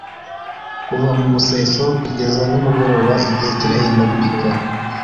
Kuva mu museso kugeza nimugoroba, igihe kirahindagurika,